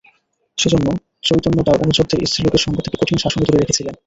যেজন্যে চৈতন্য তাঁর অনুচরদের স্ত্রীলোকের সঙ্গ থেকে কঠিন শাসনে দূরে রেখেছিলেন।